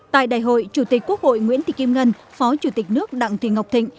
tại đại hội chủ tịch quốc hội nguyễn thị kim ngân phó chủ tịch nước đặng thị ngọc thịnh